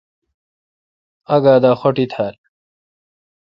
آگہ دا خوٹی تھال۔